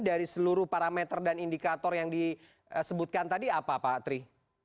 dari seluruh parameter dan indikator yang disebutkan tadi apa pak tri